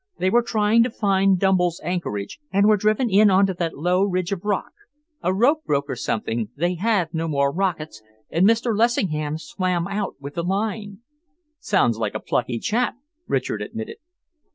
They were trying to find Dumble's anchorage and were driven in on to that low ridge of rock. A rope broke, or something, they had no more rockets, and Mr. Lessingham swam out with the line." "Sounds like a plucky chap," Richard admitted.